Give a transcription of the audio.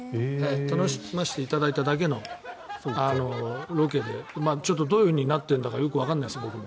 楽しませていただいただけのロケでどういうふうになってるのか僕もわからないです。